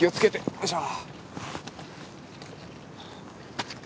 よいしょ！